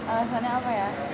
alasannya apa ya